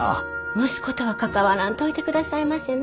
息子とは関わらんといてくださいませね。